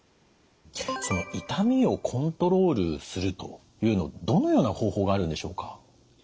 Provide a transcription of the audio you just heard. その痛みをコントロールするというのどのような方法があるんでしょうか？